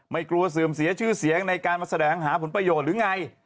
ไม่กลัวเสื่อมเสียชื่อเสียงในการมาแสดงหาผลประโยชน์หรือไง